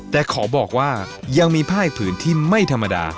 แต่ขอบอกว่ายังมีภาคผืนที่ไม่ธรรมดา